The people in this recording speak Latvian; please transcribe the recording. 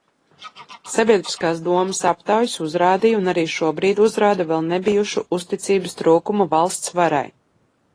Sabiedriskās domas aptaujas uzrādīja un arī šobrīd uzrāda vēl nebijušu uzticības trūkumu valsts varai.